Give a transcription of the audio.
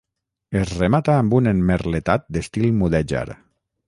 Es remata amb un emmerletat d'estil mudèjar.